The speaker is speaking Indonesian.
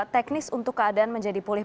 teknis untuk keadaan menjadi pulih